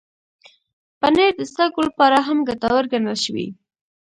پنېر د سږو لپاره هم ګټور ګڼل شوی.